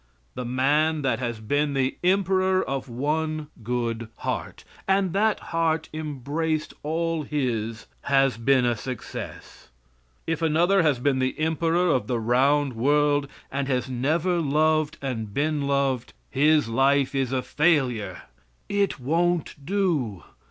The man that has been the emperor of one good heart, and that heart embraced all his, has been a success. If another has been the emperor of the round world and has never loved and been loved, his life is a failure. It won't do.